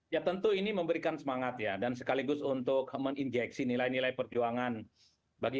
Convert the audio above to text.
ya tentu ini memberikan semangat ya dan sekaligus untuk menginjeksi nilai nilai perjuangan bagi